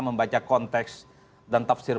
membaca konteks dan tafsir